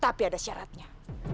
tapi ada syaratnya